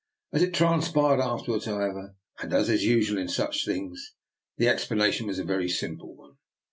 As it transpired afterwards, however, and as is usual in such things, the explanation was a very simple one.